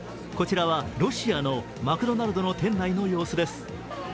こちらはロシアのマクドナルドの店内の様子です。